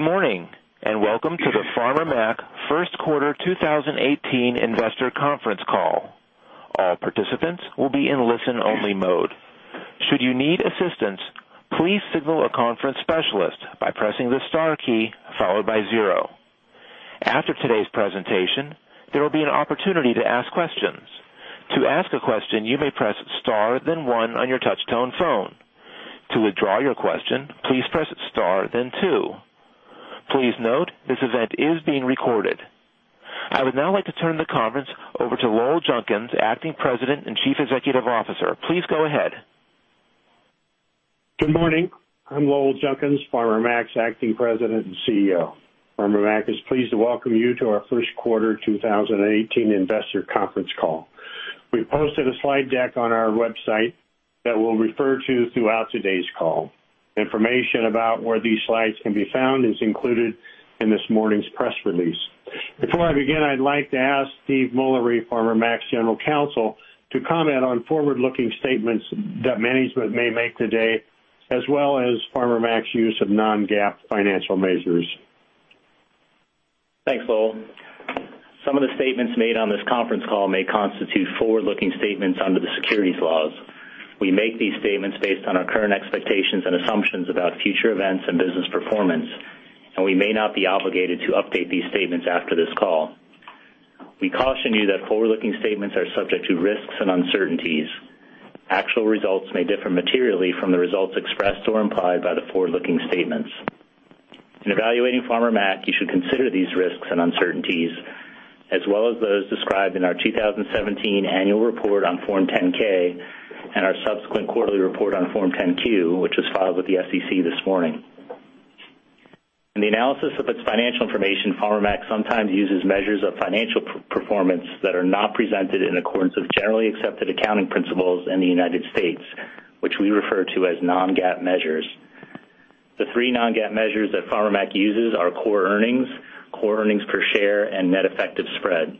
Welcome to the Farmer Mac first quarter 2018 investor conference call. All participants will be in listen-only mode. Should you need assistance, please signal a conference specialist by pressing the star key followed by zero. After today's presentation, there will be an opportunity to ask questions. To ask a question, you may press star then one on your touch-tone phone. To withdraw your question, please press star then two. Please note, this event is being recorded. I would now like to turn the conference over to Lowell Junkins, Acting President and Chief Executive Officer. Please go ahead. Good morning. I'm Lowell Junkins, Farmer Mac's Acting President and CEO. Farmer Mac is pleased to welcome you to our first quarter 2018 investor conference call. We posted a slide deck on our website that we'll refer to throughout today's call. Information about where these slides can be found is included in this morning's press release. Before I begin, I'd like to ask Steve Mullery, Farmer Mac's General Counsel, to comment on forward-looking statements that management may make today, as well as Farmer Mac's use of non-GAAP financial measures. Thanks, Lowell. Some of the statements made on this conference call may constitute forward-looking statements under the securities laws. We make these statements based on our current expectations and assumptions about future events and business performance. We may not be obligated to update these statements after this call. We caution you that forward-looking statements are subject to risks and uncertainties. Actual results may differ materially from the results expressed or implied by the forward-looking statements. In evaluating Farmer Mac, you should consider these risks and uncertainties, as well as those described in our 2017 annual report on Form 10-K and our subsequent quarterly report on Form 10-Q, which was filed with the SEC this morning. In the analysis of its financial information, Farmer Mac sometimes uses measures of financial performance that are not presented in accordance with generally accepted accounting principles in the United States, which we refer to as non-GAAP measures. The three non-GAAP measures that Farmer Mac uses are core earnings, core earnings per share, and net effective spread.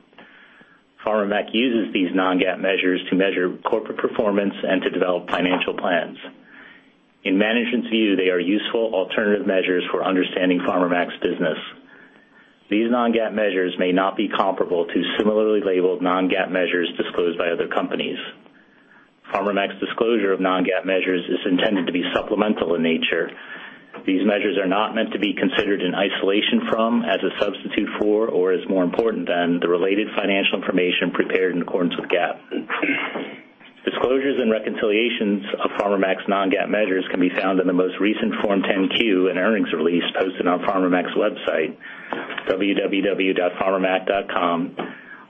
Farmer Mac uses these non-GAAP measures to measure corporate performance and to develop financial plans. In management's view, they are useful alternative measures for understanding Farmer Mac's business. These non-GAAP measures may not be comparable to similarly labeled non-GAAP measures disclosed by other companies. Farmer Mac's disclosure of non-GAAP measures is intended to be supplemental in nature. These measures are not meant to be considered in isolation from, as a substitute for, or as more important than the related financial information prepared in accordance with GAAP. Disclosures and reconciliations of Farmer Mac's non-GAAP measures can be found in the most recent Form 10-Q and earnings release posted on Farmer Mac's website, www.farmermac.com,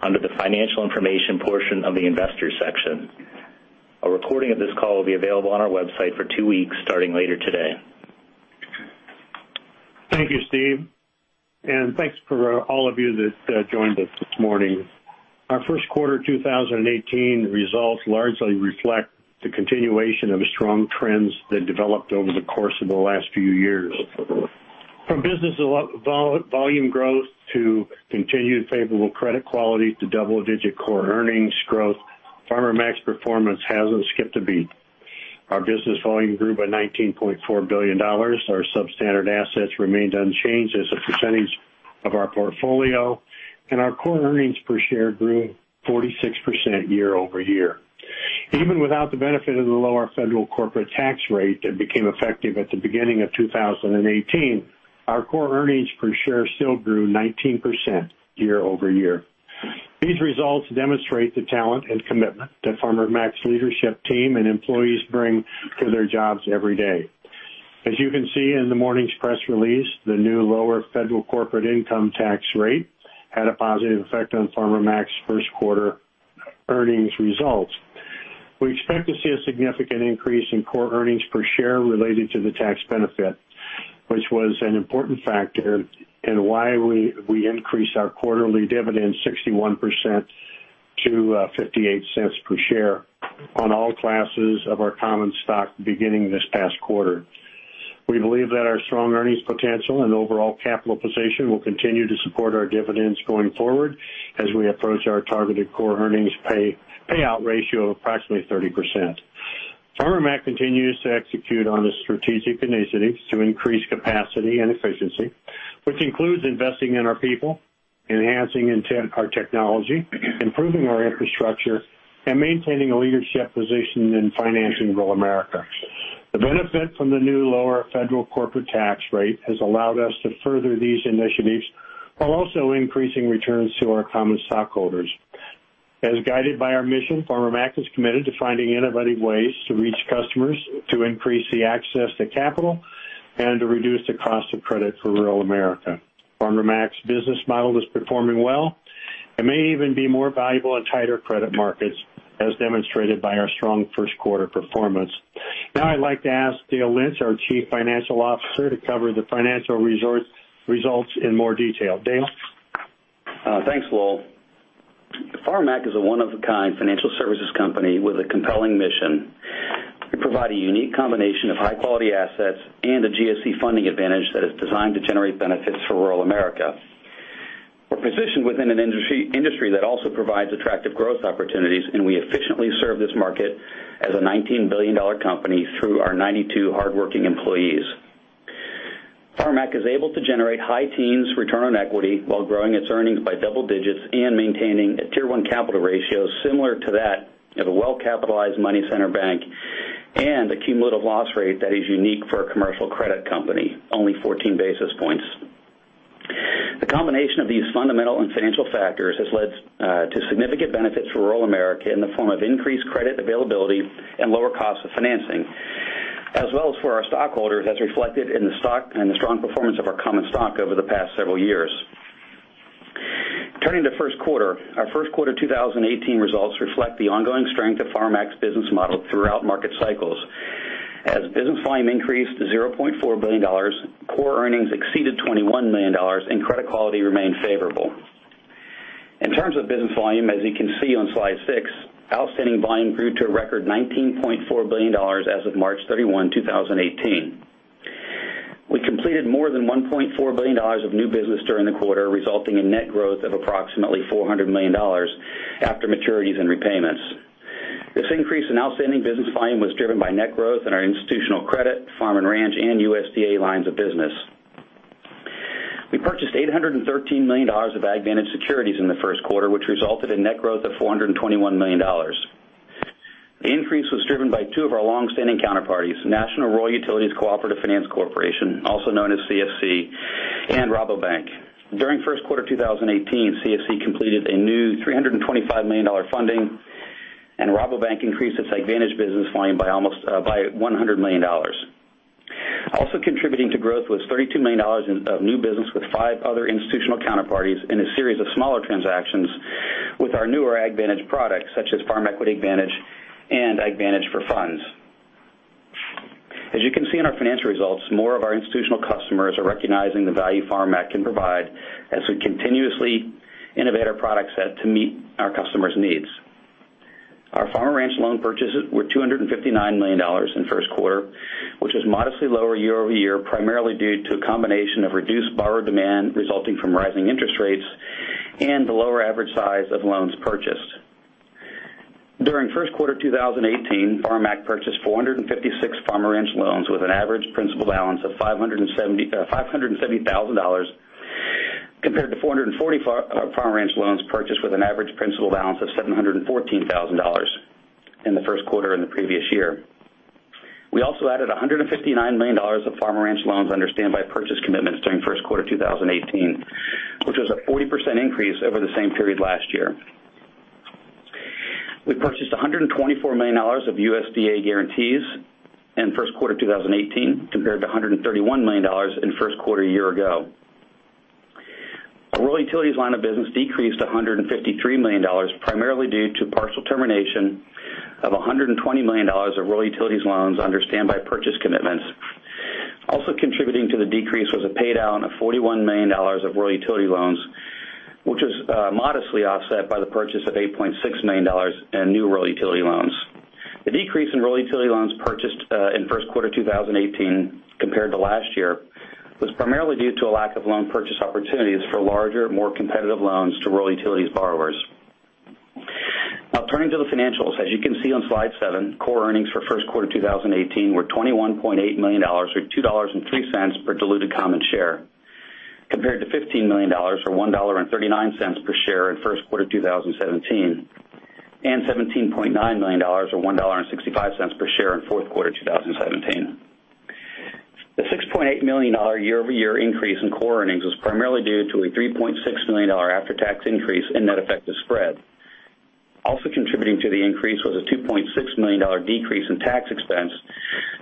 under the financial information portion of the investor section. A recording of this call will be available on our website for two weeks starting later today. Thank you, Steve, and thanks for all of you that joined us this morning. Our first quarter 2018 results largely reflect the continuation of strong trends that developed over the course of the last few years. From business volume growth to continued favorable credit quality to double-digit core earnings growth, Farmer Mac's performance hasn't skipped a beat. Our business volume grew by $19.4 billion. Our substandard assets remained unchanged as a percentage of our portfolio, and our core earnings per share grew 46% year over year. Even without the benefit of the lower federal corporate tax rate that became effective at the beginning of 2018, our core earnings per share still grew 19% year over year. These results demonstrate the talent and commitment that Farmer Mac's leadership team and employees bring to their jobs every day. As you can see in the morning's press release, the new lower federal corporate income tax rate had a positive effect on Farmer Mac's first quarter earnings results. We expect to see a significant increase in core earnings per share related to the tax benefit, which was an important factor in why we increased our quarterly dividend 61% to $0.58 per share on all classes of our common stock beginning this past quarter. We believe that our strong earnings potential and overall capital position will continue to support our dividends going forward as we approach our targeted core earnings payout ratio of approximately 30%. Farmer Mac continues to execute on the strategic initiatives to increase capacity and efficiency, which includes investing in our people, enhancing our technology, improving our infrastructure, and maintaining a leadership position in financing rural America. The benefit from the new lower federal corporate tax rate has allowed us to further these initiatives while also increasing returns to our common stockholders. As guided by our mission, Farmer Mac is committed to finding innovative ways to reach customers to increase the access to capital and to reduce the cost of credit for rural America. Farmer Mac's business model is performing well and may even be more valuable in tighter credit markets, as demonstrated by our strong first quarter performance. Now I'd like to ask Dale Lynch, our Chief Financial Officer, to cover the financial results in more detail. Dale? Thanks, Lowell. Farmer Mac is a one-of-a-kind financial services company with a compelling mission to provide a unique combination of high-quality assets and a GSE funding advantage that is designed to generate benefits for rural America. We're positioned within an industry that also provides attractive growth opportunities, we efficiently serve this market as a $19 billion company through our 92 hardworking employees. Farmer Mac is able to generate high teens return on equity while growing its earnings by double digits and maintaining a Tier 1 capital ratio similar to that of a well-capitalized money center bank and a cumulative loss rate that is unique for a commercial credit company, only 14 basis points. The combination of these fundamental and financial factors has led to significant benefits for rural America in the form of increased credit availability and lower cost of financing, as well as for our stockholders, as reflected in the stock and the strong performance of our common stock over the past several years. Turning to first quarter, our first quarter 2018 results reflect the ongoing strength of Farmer Mac's business model throughout market cycles. As business volume increased to $0.4 billion, core earnings exceeded $21 million and credit quality remained favorable. In terms of business volume, as you can see on slide six, outstanding volume grew to a record $19.4 billion as of March 31, 2018. We completed more than $1.4 billion of new business during the quarter, resulting in net growth of approximately $400 million after maturities and repayments. This increase in outstanding business volume was driven by net growth in our institutional credit, Farm & Ranch, and USDA lines of business. We purchased $813 million of AgVantage securities in the first quarter, which resulted in net growth of $421 million. The increase was driven by two of our longstanding counterparties, National Rural Utilities Cooperative Finance Corporation, also known as CFC, and Rabobank. During first quarter 2018, CFC completed a new $325 million funding, and Rabobank increased its AgVantage business volume by $100 million. Also contributing to growth was $32 million of new business with five other institutional counterparties in a series of smaller transactions with our newer AgVantage products, such as Farm Equity AgVantage and AgVantage for Funds. As you can see in our financial results, more of our institutional customers are recognizing the value Farmer Mac can provide as we continuously innovate our product set to meet our customers' needs. Our Farm & Ranch loan purchases were $259 million in the first quarter, which was modestly lower year-over-year, primarily due to a combination of reduced borrower demand resulting from rising interest rates and the lower average size of loans purchased. During first quarter 2018, Farmer Mac purchased 456 Farm & Ranch loans with an average principal balance of $570,000, compared to 440 Farm & Ranch loans purchased with an average principal balance of $714,000 in the first quarter in the previous year. We also added $159 million of Farm & Ranch loans under standby purchase commitments during first quarter 2018, which was a 40% increase over the same period last year. We purchased $124 million of USDA guarantees in first quarter 2018, compared to $131 million in first quarter a year ago. Our rural utilities line of business decreased to $153 million, primarily due to partial termination of $120 million of rural utilities loans under standby purchase commitments. Also contributing to the decrease was a paydown of $41 million of rural utility loans, which was modestly offset by the purchase of $8.6 million in new rural utility loans. The decrease in rural utility loans purchased in first quarter 2018 compared to last year was primarily due to a lack of loan purchase opportunities for larger, more competitive loans to rural utilities borrowers. Now turning to the financials. As you can see on slide seven, core earnings for first quarter 2018 were $21.8 million, or $2.03 per diluted common share, compared to $15 million, or $1.39 per share in first quarter 2017, and $17.9 million, or $1.65 per share in fourth quarter 2017. The $6.8 million year-over-year increase in core earnings was primarily due to a $3.6 million after-tax increase in net effective spread. Also contributing to the increase was a $2.6 million decrease in tax expense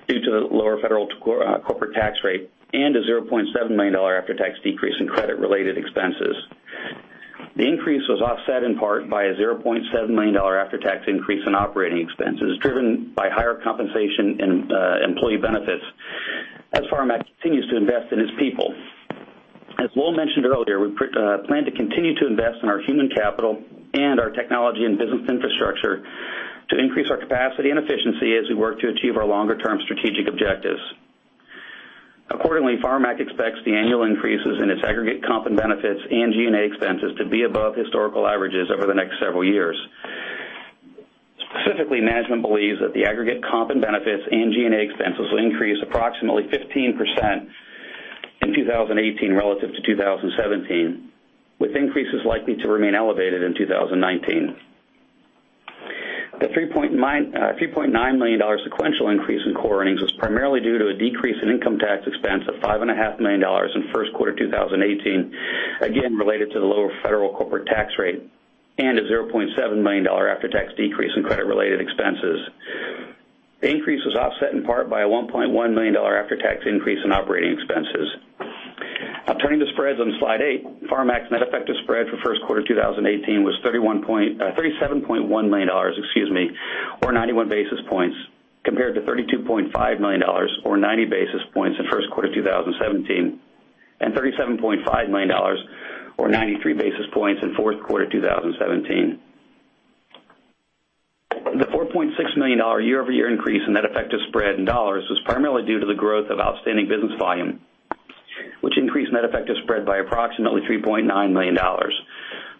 due to the lower federal corporate tax rate and a $0.7 million after-tax decrease in credit related expenses. The increase was offset in part by a $0.7 million after-tax increase in operating expenses, driven by higher compensation in employee benefits as Farmer Mac continues to invest in its people. As Lowell Junkins mentioned earlier, we plan to continue to invest in our human capital and our technology and business infrastructure to increase our capacity and efficiency as we work to achieve our longer-term strategic objectives. Accordingly, Farmer Mac expects the annual increases in its aggregate comp and benefits and G&A expenses to be above historical averages over the next several years. Specifically, management believes that the aggregate comp and benefits and G&A expenses will increase approximately 15% in 2018 relative to 2017, with increases likely to remain elevated in 2019. The $3.9 million sequential increase in core earnings was primarily due to a decrease in income tax expense of $5.5 million in first quarter 2018, again related to the lower federal corporate tax rate, and a $0.7 million after-tax decrease in credit related expenses. The increase was offset in part by a $1.1 million after-tax increase in operating expenses. Now turning to spreads on slide eight. Farmer Mac's net effective spread for first quarter 2018 was $37.1 million or 91 basis points, compared to $32.5 million or 90 basis points in first quarter 2017, and $37.5 million or 93 basis points in fourth quarter 2017. The $4.6 million year-over-year increase in net effective spread in dollars was primarily due to the growth of outstanding business volume, which increased net effective spread by approximately $3.9 million.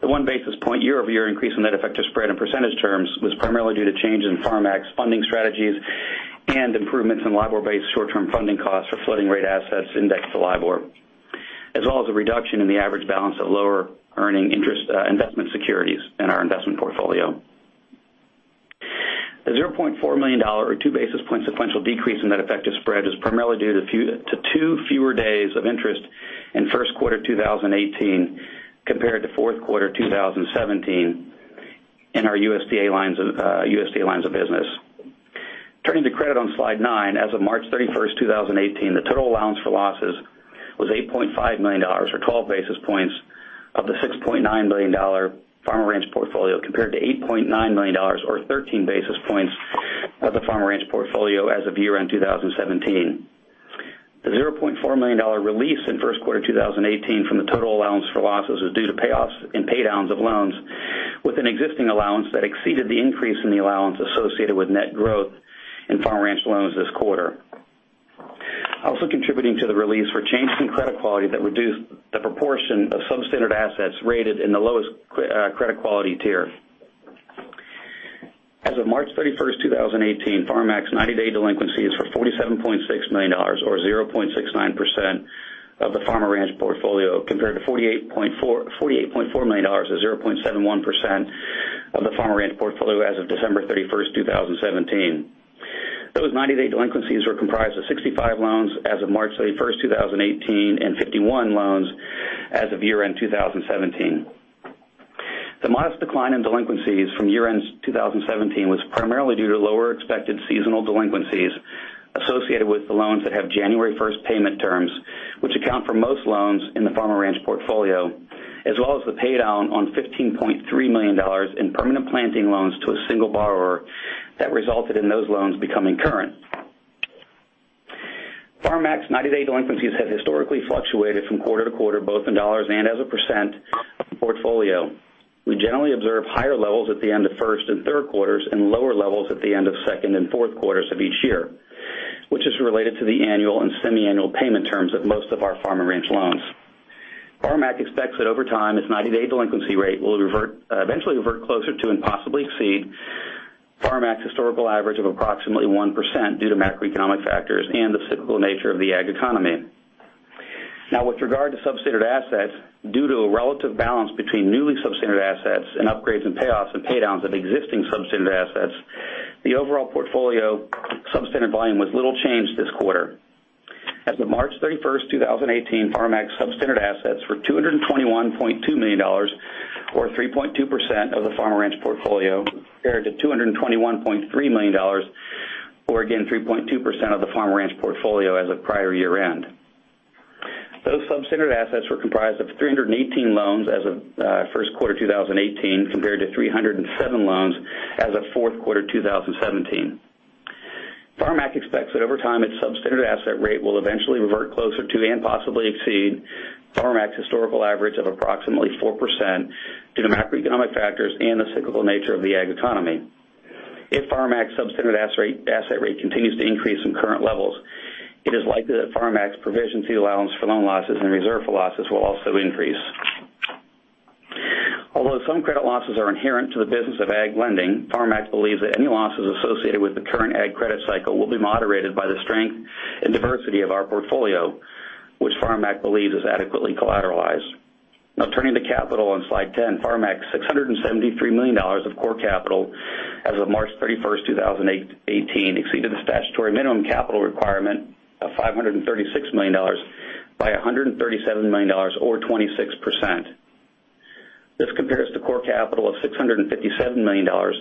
The one basis point year-over-year increase in net effective spread in percentage terms was primarily due to changes in Farmer Mac funding strategies and improvements in LIBOR-based short-term funding costs for floating rate assets indexed to LIBOR, as well as a reduction in the average balance of lower earning interest investment securities in our investment portfolio. The $0.4 million or two basis point sequential decrease in net effective spread was primarily due to two fewer days of interest in Q1 2018 compared to Q4 2017 in our USDA lines of business. Turning to credit on slide nine. As of March 31st, 2018, the total allowance for losses was $8.5 million or 12 basis points of the $6.9 billion Farm & Ranch portfolio, compared to $8.9 million or 13 basis points of the Farm & Ranch portfolio as of year-end 2017. The $0.4 million release in Q1 2018 from the total allowance for losses was due to payoffs and pay downs of loans with an existing allowance that exceeded the increase in the allowance associated with net growth in Farm & Ranch loans this quarter. Also contributing to the release were changes in credit quality that reduced the proportion of substandard assets rated in the lowest credit quality tier. As of March 31st, 2018, Farmer Mac 90-day delinquency is for $47.6 million or 0.69% of the Farm & Ranch portfolio, compared to $48.4 million or 0.71% of the Farm & Ranch portfolio as of December 31st, 2017. Those 90-day delinquencies were comprised of 65 loans as of March 31st, 2018 and 51 loans as of year-end 2017. The modest decline in delinquencies from year-end 2017 was primarily due to lower expected seasonal delinquencies associated with the loans that have January 1st payment terms, which account for most loans in the Farm & Ranch portfolio, as well as the pay down on $15.3 million in permanent planting loans to a single borrower that resulted in those loans becoming current. Farmer Mac 90-day delinquencies have historically fluctuated from quarter to quarter, both in dollars and as a percent of the portfolio. We generally observe higher levels at the end of first and third quarters, and lower levels at the end of second and fourth quarters of each year, which is related to the annual and semi-annual payment terms of most of our Farm & Ranch loans. Farmer Mac expects that over time, its 90-day delinquency rate will eventually revert closer to and possibly exceed Farmer Mac's historical average of approximately 1% due to macroeconomic factors and the cyclical nature of the ag economy. Now, with regard to substandard assets, due to a relative balance between newly substandard assets and upgrades and payoffs and pay downs of existing substandard assets, the overall portfolio substandard volume was little changed this quarter. As of March 31st, 2018, Farmer Mac substandard assets were $221.2 million, or 3.2% of the Farm & Ranch portfolio, compared to $221.3 million, or again, 3.2% of the Farm & Ranch portfolio as of prior year-end. Those substandard assets were comprised of 318 loans as of Q1 2018, compared to 307 loans as of Q4 2017. Farmer Mac expects that over time, its substandard asset rate will eventually revert closer to and possibly exceed Farmer Mac's historical average of approximately 4% due to macroeconomic factors and the cyclical nature of the ag economy. If Farmer Mac's substandard asset rate continues to increase in current levels, it is likely that Farmer Mac's provision fee allowance for loan losses and reserve for losses will also increase. Although some credit losses are inherent to the business of ag lending, Farmer Mac believes that any losses associated with the current ag credit cycle will be moderated by the strength and diversity of our portfolio, which Farmer Mac believes is adequately collateralized. Turning to capital on slide 10. Farmer Mac's $673 million of core capital as of March 31st, 2018 exceeded the statutory minimum capital requirement of $536 million by $137 million or 26%. This compares to core capital of $657 million or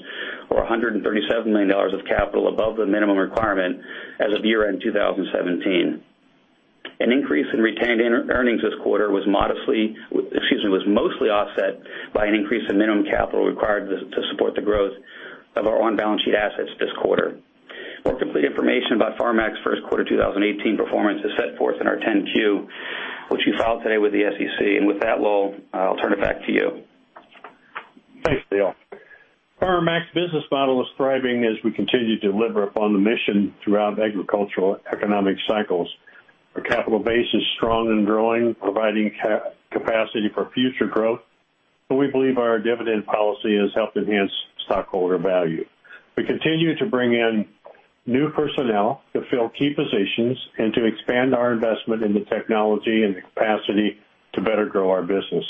$137 million of capital above the minimum requirement as of year-end 2017. An increase in retained earnings this quarter was mostly offset by an increase in minimum capital required to support the growth of our on-balance sheet assets this quarter. More complete information about Farmer Mac's Q1 2018 performance is set forth in our 10-Q, which we filed today with the SEC. With that, Lowell, I'll turn it back to you. Thanks, Dale. Farmer Mac's business model is thriving as we continue to deliver upon the mission throughout agricultural economic cycles. Our capital base is strong and growing, providing capacity for future growth, and we believe our dividend policy has helped enhance stockholder value. We continue to bring in new personnel to fill key positions and to expand our investment in the technology and the capacity to better grow our business.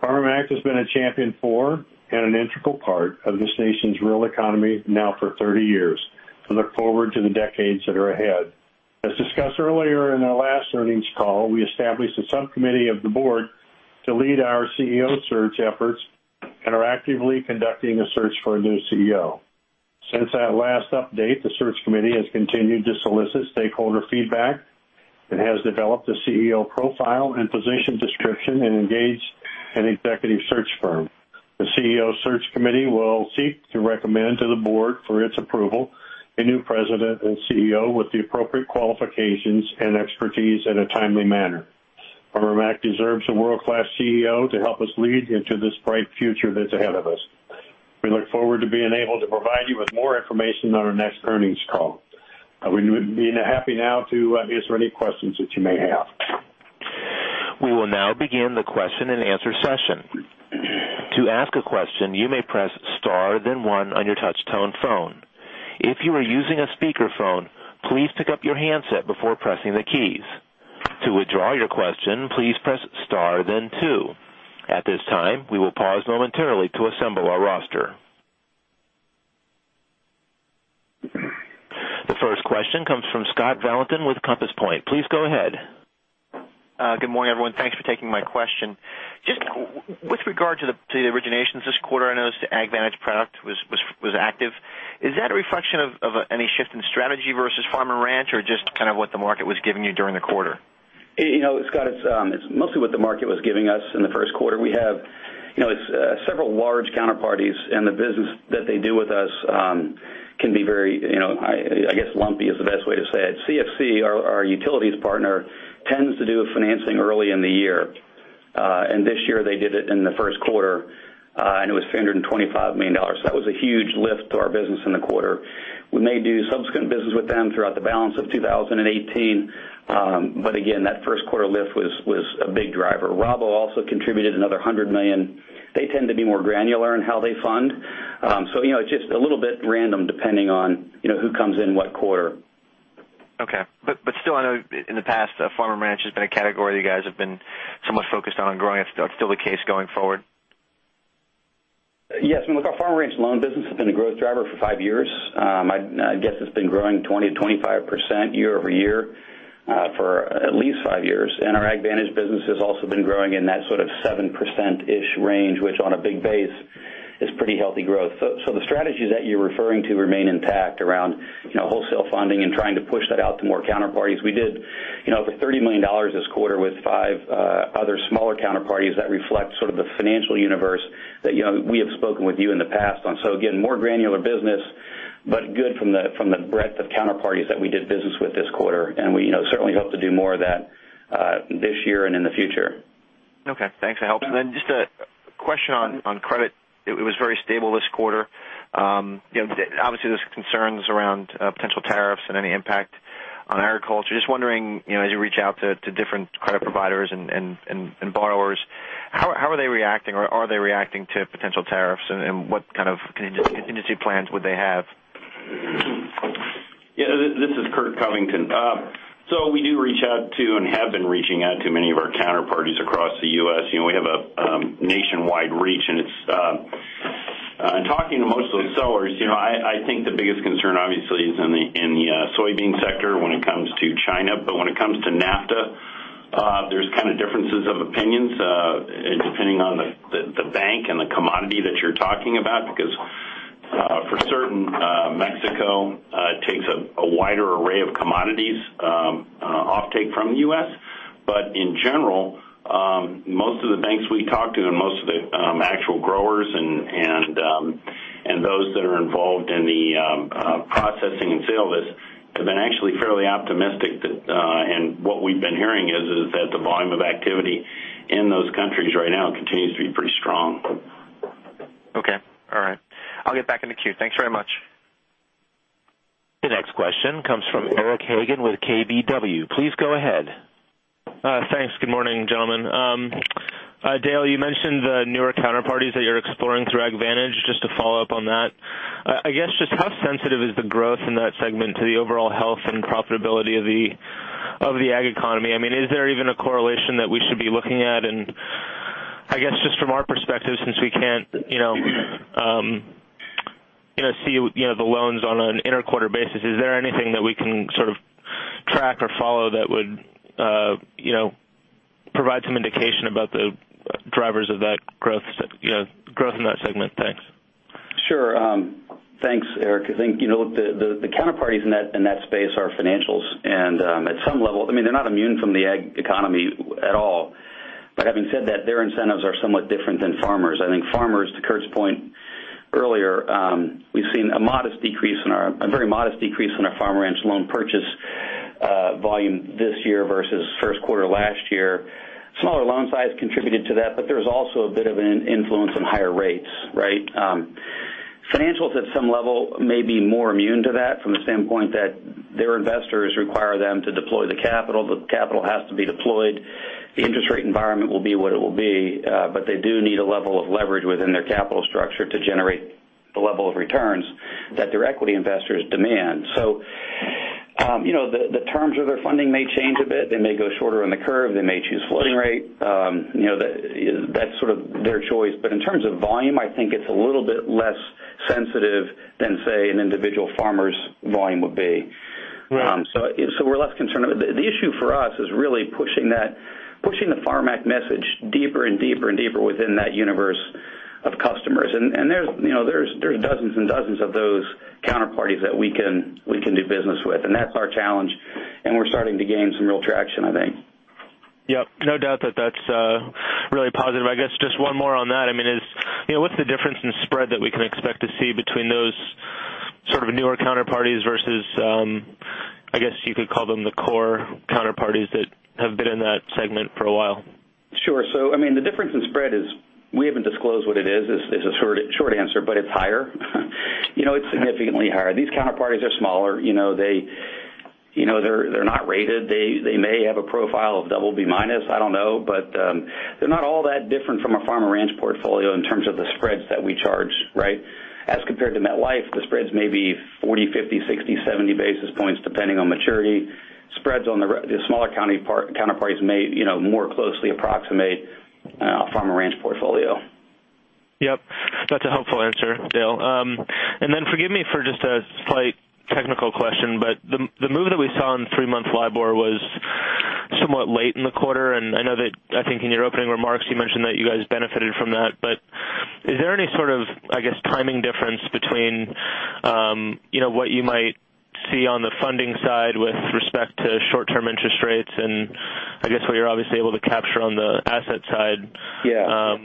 Farmer Mac has been a champion for and an integral part of this nation's real economy now for 30 years and look forward to the decades that are ahead. As discussed earlier in our last earnings call, we established a subcommittee of the board to lead our CEO search efforts and are actively conducting a search for a new CEO. Since that last update, the search committee has continued to solicit stakeholder feedback and has developed a CEO profile and position description and engaged an executive search firm. The CEO search committee will seek to recommend to the board for its approval a new President and CEO with the appropriate qualifications and expertise in a timely manner. Farmer Mac deserves a world-class CEO to help us lead into this bright future that's ahead of us. We look forward to being able to provide you with more information on our next earnings call. We'd be happy now to answer any questions that you may have. We will now begin the question and answer session. To ask a question, you may press star then one on your touch tone phone. If you are using a speakerphone, please pick up your handset before pressing the keys. To withdraw your question, please press star then two. At this time, we will pause momentarily to assemble our roster. The first question comes from Scott Valentin with Compass Point. Please go ahead. Good morning, everyone. Thanks for taking my question. Just with regard to the originations this quarter, I noticed the AgVantage product was active. Is that a reflection of any shift in strategy versus Farm & Ranch, or just kind of what the market was giving you during the quarter? Scott, it's mostly what the market was giving us in the first quarter. We have several large counterparties, and the business that they do with us can be very, I guess, lumpy is the best way to say it. CFC, our utilities partner, tends to do a financing early in the year. This year they did it in the first quarter. It was $325 million. That was a huge lift to our business in the quarter. Rabobank also contributed another $100 million. They tend to be more granular in how they fund. It's just a little bit random depending on who comes in what quarter. Still, I know in the past, Farm & Ranch has been a category that you guys have been somewhat focused on growing. It's still the case going forward? Yes. Look, our Farm & Ranch loan business has been a growth driver for five years. I guess it's been growing 20%-25% year-over-year for at least five years. Our AgVantage business has also been growing in that sort of seven percent-ish range, which on a big base is pretty healthy growth. The strategies that you're referring to remain intact around wholesale funding and trying to push that out to more counterparties. We did over $30 million this quarter with five other smaller counterparties. That reflects sort of the financial universe that we have spoken with you in the past on. Again, more granular business, but good from the breadth of counterparties that we did business with this quarter, and we certainly hope to do more of that this year and in the future. Okay. Thanks. That helps. Just a question on credit. It was very stable this quarter. Obviously, there's concerns around potential tariffs and any impact on agriculture. Just wondering, as you reach out to different credit providers and borrowers, how are they reacting, or are they reacting to potential tariffs, and what kind of contingency plans would they have? Yeah, this is Curt Covington. We do reach out to and have been reaching out to many of our counterparties across the U.S. We have a nationwide reach, and talking to most of the sellers, I think the biggest concern obviously is in the soybean sector when it comes to China. When it comes to NAFTA, there's kind of differences of opinions, depending on the bank and the commodity that you're talking about. Because for certain, Mexico takes a wider array of commodities offtake from the U.S. In general, most of the banks we talk to and most of the actual growers and those that are involved in the processing and sale of this have been actually fairly optimistic. What we've been hearing is that the volume of activity in those countries right now continues to be pretty strong. Okay. All right. I'll get back in the queue. Thanks very much. The next question comes from Eric Hagen with KBW. Please go ahead. Thanks. Good morning, gentlemen. Dale, you mentioned the newer counterparties that you're exploring through AgVantage. Just to follow up on that, I guess just how sensitive is the growth in that segment to the overall health and profitability of the ag economy? Is there even a correlation that we should be looking at? I guess just from our perspective, since we can't see the loans on an inter-quarter basis, is there anything that we can sort of track or follow that would provide some indication about the drivers of that growth in that segment? Thanks. Sure. Thanks, Eric. I think the counterparties in that space are financials, and at some level, they're not immune from the ag economy at all. Having said that, their incentives are somewhat different than farmers. I think farmers, to Curt's point earlier, we've seen a very modest decrease in our farmer and ranch loan purchase volume this year versus first quarter last year. Smaller loan size contributed to that, there's also a bit of an influence on higher rates, right? Financials at some level may be more immune to that from the standpoint that their investors require them to deploy the capital. The capital has to be deployed. The interest rate environment will be what it will be. They do need a level of leverage within their capital structure to generate the level of returns that their equity investors demand. The terms of their funding may change a bit. They may go shorter on the curve. They may choose floating rate. That's sort of their choice. In terms of volume, I think it's a little bit less sensitive than, say, an individual farmer's volume would be. Right. We're less concerned. The issue for us is really pushing the Farmer Mac message deeper and deeper and deeper within that universe of customers. There's dozens and dozens of those counterparties that we can do business with, and that's our challenge, and we're starting to gain some real traction, I think. Yep. No doubt that that's really positive. I guess just one more. What's the difference in spread that we can expect to see between those sort of newer counterparties versus, I guess you could call them the core counterparties that have been in that segment for a while? Sure. The difference in spread is we haven't disclosed what it is the short answer, but it's higher. It's significantly higher. These counterparties are smaller. They're not rated. They may have a profile of BB-, I don't know, but they're not all that different from a Farm & Ranch portfolio in terms of the spreads that we charge. As compared to MetLife, the spreads may be 40, 50, 60, 70 basis points, depending on maturity. Spreads on the smaller county counterparties may more closely approximate a Farm & Ranch portfolio. Yep. That's a helpful answer, Dale. Forgive me for just a slight technical question, the move that we saw in three-month LIBOR was somewhat late in the quarter, and I know that, I think in your opening remarks, you mentioned that you guys benefited from that. Is there any sort of, I guess, timing difference between what you might see on the funding side with respect to short-term interest rates and I guess what you're obviously able to capture on the asset side? Yeah.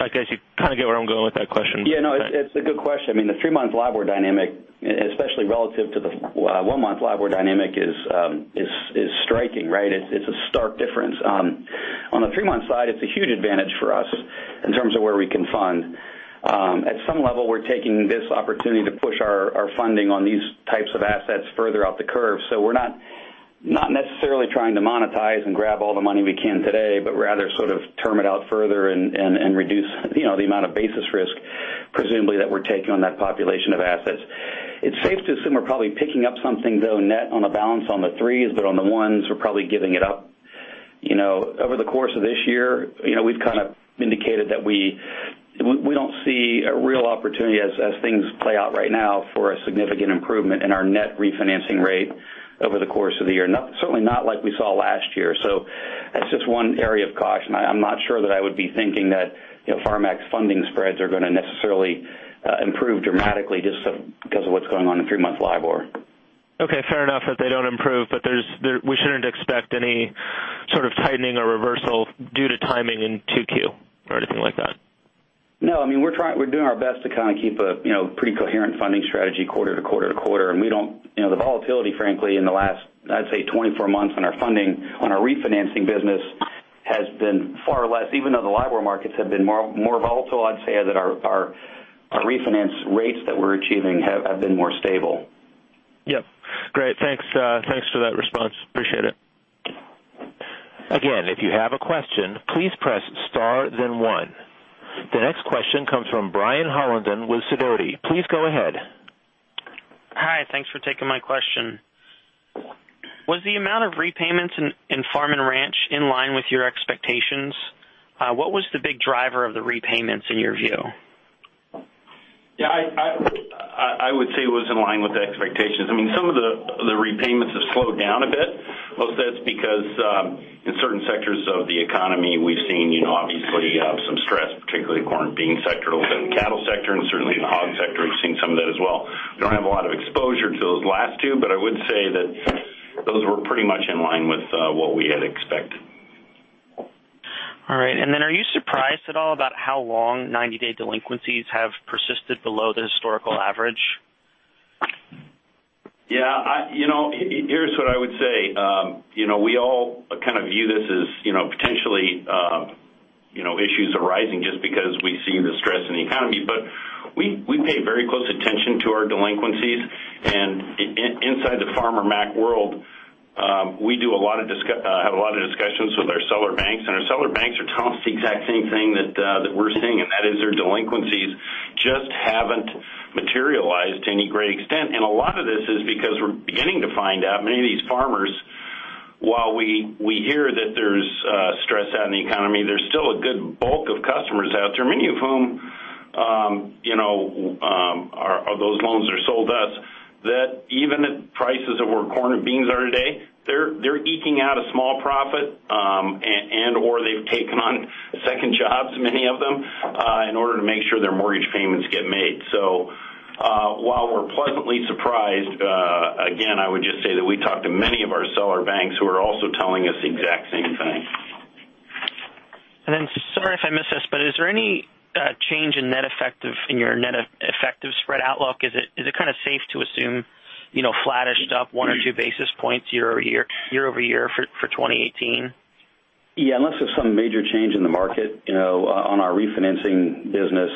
I guess you kind of get where I'm going with that question. Yeah, no, it's a good question. The three-month LIBOR dynamic, especially relative to the one-month LIBOR dynamic, is striking. It's a stark difference. On the three-month side, it's a huge advantage for us in terms of where we can fund. At some level, we're taking this opportunity to push our funding on these types of assets further out the curve. We're not necessarily trying to monetize and grab all the money we can today, but rather sort of term it out further and reduce the amount of basis risk presumably that we're taking on that population of assets. It's safe to assume we're probably picking up something, though, net on the balance on the threes, but on the ones we're probably giving it up. Over the course of this year, we've kind of indicated that we don't see a real opportunity as things play out right now for a significant improvement in our net refinancing rate over the course of the year. Certainly not like we saw last year. That's just one area of caution. I'm not sure that I would be thinking that Farmer Mac's funding spreads are going to necessarily improve dramatically just because of what's going on in three-month LIBOR. Okay. Fair enough that they don't improve, but we shouldn't expect any sort of tightening or reversal due to timing in 2Q or anything like that? No. We're doing our best to kind of keep a pretty coherent funding strategy quarter to quarter to quarter, and the volatility, frankly, in the last, I'd say, 24 months on our funding, on our refinancing business, has been far less. Even though the LIBOR markets have been more volatile, I'd say that our refinance rates that we're achieving have been more stable. Yep. Great. Thanks for that response. Appreciate it. Again, if you have a question, please press star then one. The next question comes from James Sidoti with Sidoti. Please go ahead. Hi. Thanks for taking my question. Was the amount of repayments in Farm & Ranch in line with your expectations? What was the big driver of the repayments in your view? Yeah. I would say it was in line with the expectations. Some of the repayments have slowed down a bit. Most of that's because in certain sectors of the economy, we've seen obviously some stress, particularly corn and bean sector, a little bit in the cattle sector and certainly in the hog sector we've seen some of that as well. We don't have a lot of exposure to those last two, but I would say that those were pretty much in line with what we had expected. All right. Are you surprised at all about how long 90-day delinquencies have persisted below the historical average? Yeah. Here's what I would say. We all kind of view this as potentially issues arising just because we see the stress in the economy. We pay very close attention to our delinquencies, and inside the Farmer Mac world we have a lot of discussions with our seller banks, and our seller banks are telling us the exact same thing that we're seeing, and that is their delinquencies just haven't materialized to any great extent. A lot of this is because we're beginning to find out many of these farmers, while we hear that there's stress out in the economy, there's still a good bulk of customers out there, many of whom those loans are sold to us, that even at prices of where corn and beans are today, they're eking out a small profit, and/or they've taken on second jobs, many of them, in order to make sure their mortgage payments get made. While we're pleasantly surprised, again, I would just say that we talked to many of our seller banks who are also telling us the exact same thing. Sorry if I missed this, is there any change in your net effective spread outlook? Is it kind of safe to assume flattish, up one or two basis points year-over-year for 2018? Yeah. Unless there's some major change in the market on our refinancing business,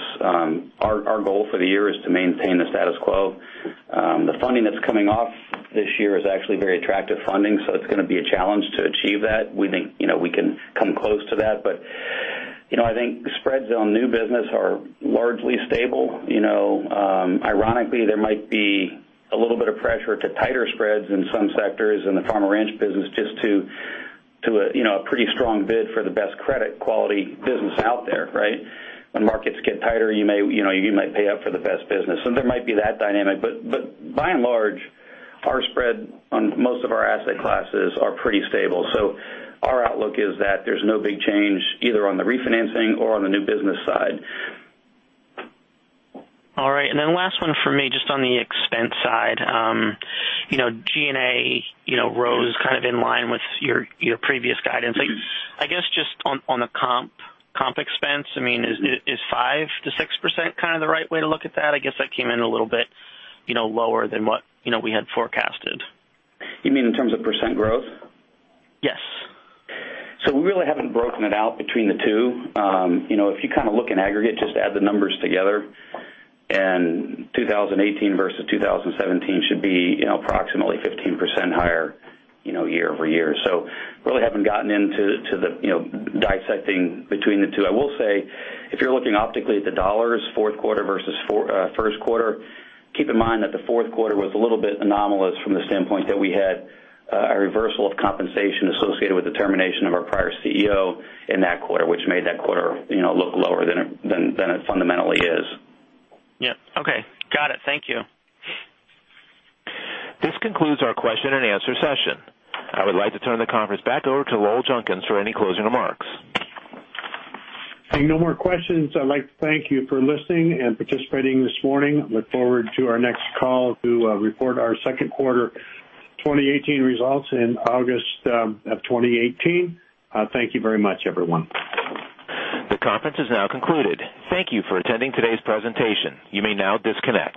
our goal for the year is to maintain the status quo. The funding that's coming off this year is actually very attractive funding, it's going to be a challenge to achieve that. We think we can come close to that, I think spreads on new business are largely stable. Ironically, there might be a little bit of pressure to tighter spreads in some sectors in the Farm & Ranch business just to a pretty strong bid for the best credit quality business out there. When markets get tighter, you might pay up for the best business. There might be that dynamic. By and large, our spread on most of our asset classes are pretty stable. Our outlook is that there's no big change either on the refinancing or on the new business side. All right. Last one from me, just on the expense side. G&A rose kind of in line with your previous guidance. I guess just on the comp expense, is 5%-6% kind of the right way to look at that? I guess that came in a little bit lower than what we had forecasted. You mean in terms of % growth? Yes. We really haven't broken it out between the two. If you kind of look in aggregate, just add the numbers together, 2018 versus 2017 should be approximately 15% higher year-over-year. We really haven't gotten into the dissecting between the two. I will say if you're looking optically at the dollars, fourth quarter versus first quarter, keep in mind that the fourth quarter was a little bit anomalous from the standpoint that we had a reversal of compensation associated with the termination of our prior CEO in that quarter, which made that quarter look lower than it fundamentally is. Yep. Okay. Got it. Thank you. This concludes our question and answer session. I would like to turn the conference back over to Lowell Junkins for any closing remarks. Seeing no more questions, I'd like to thank you for listening and participating this morning. Look forward to our next call to report our second quarter 2018 results in August of 2018. Thank you very much, everyone. The conference is now concluded. Thank you for attending today's presentation. You may now disconnect.